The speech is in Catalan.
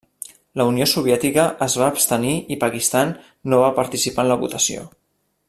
La Unió Soviètica es va abstenir i Pakistan no va participar en la votació.